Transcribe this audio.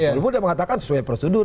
belum udah mengatakan sesuai prosedur